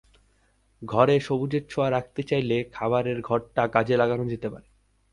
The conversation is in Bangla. ঘরে সবুজের ছোঁয়া রাখতে চাইলে খাবারের ঘরটা কাজে লাগানো যেতে পারে।